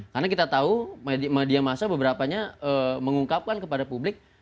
karena kita tahu media masa beberapanya mengungkapkan kepada publik